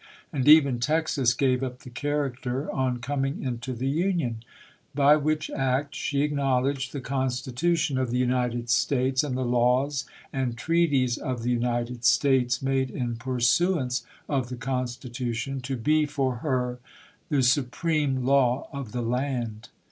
And even Texas gave up the character on coming into the Union ; by which act she acknowledged the Constitution of the United States, and the laws and treaties of the United States made in pursuance of the Constitution, to be, for her, the supreme law of the laud.